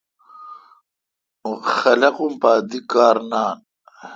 اوں خلقم پا دی کار نان۔